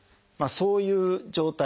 そういう状態